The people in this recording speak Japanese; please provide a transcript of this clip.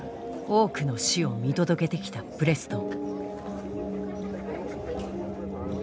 多くの死を見届けてきたプレストン。